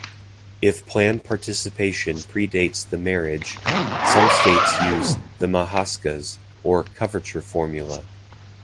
If plan participation pre-dates the marriage, some States use the "Majauskas", or "coverture" formula.